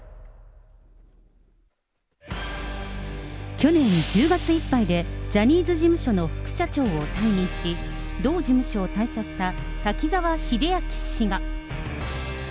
去年１０月いっぱいで、ジャニーズ事務所の副社長を退任し、同事務所を退社した滝沢秀明氏が。